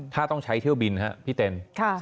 ถ้าต้องใช้เที่ยวบินครับพี่เต็น